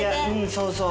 そうそう